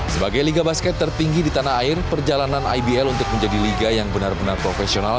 sebagai liga basket tertinggi di tanah air perjalanan ibl untuk menjadi liga yang benar benar profesional